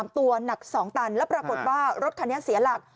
ตัวหนัก๒ตันแล้วปรากฏว่ารถคันนี้เสียหลัก